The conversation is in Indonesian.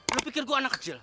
lu pikir gua anak kecil